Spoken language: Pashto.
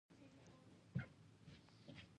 په درنښت